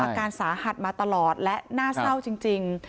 อาการสาหัสมาตลอดและน่าเศร้าจริง